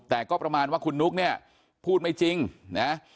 แต่ก็ประมาณว่าคุณนุ๊กเนี่ยพูดไม่จริงนะ